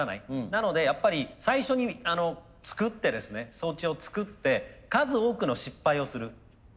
なのでやっぱり最初に作ってですね装置を作って数多くの失敗をする。